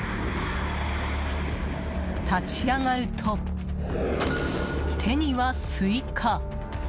立ち上がると、手にはスイカ！